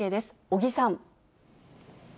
尾木さん。